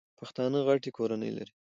پښتانه غټي کورنۍ لري.